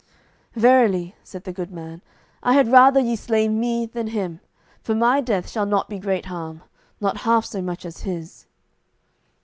"Verily," said the good man, "I had rather ye slay me than him, for my death shall not be great harm, not half so much as his."